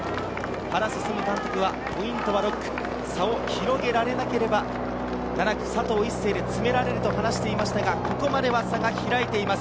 原晋監督はポイントは６区、差を広げられなければ、７区・佐藤一世で詰められると話していましたが、ここまでは差が開いています。